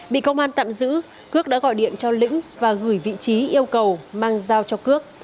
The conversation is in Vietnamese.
bị công an tạm giữ phước đã gọi điện cho lĩnh và gửi vị trí yêu cầu mang giao cho cước